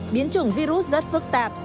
biến chủng virus rất phức tạp